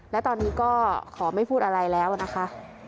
และตอนนี้ก็ขอไม่พูดอะไรแล้วนะคะ